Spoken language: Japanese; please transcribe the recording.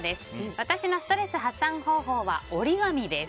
私のストレス発散方法は折り紙です。